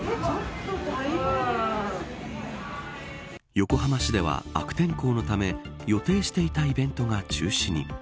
横浜市では悪天候のため予定していたイベントが中止に。